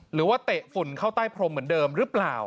เตะฝุ่นเข้าใต้พรมเหมือนเดิมหรือเปล่า